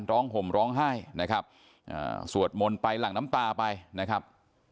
ห่มร้องไห้นะครับสวดมนต์ไปหลั่งน้ำตาไปนะครับ